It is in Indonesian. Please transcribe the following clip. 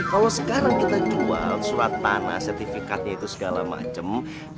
kalau sekarang kita jual surat tanah sertifikatnya itu segala macam